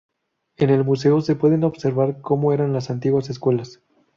En el museo se pueden observar como eran las antiguas escuelas.